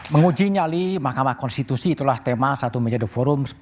menguji nyali mahkamah konstitusi itulah tema satu menjadi forum